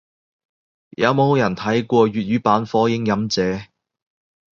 有冇人睇過粵語版火影忍者？